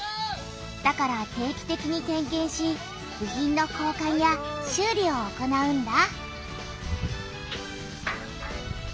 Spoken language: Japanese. だから定期てきに点けんし部品の交かんや修理を行うんだ。